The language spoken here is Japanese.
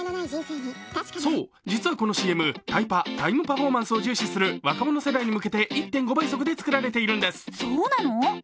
そう、実はこのＣＭタイパ＝タイムパフォーマンスを重視する若者世代に向けて１．５倍速で作られているんです。